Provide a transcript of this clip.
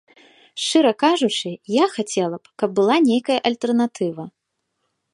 Шчыра кажучы, я хацела б, каб была нейкая альтэрнатыва.